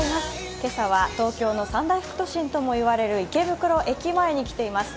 今朝は東京の三大都心ともいわれる池袋駅前に来ています。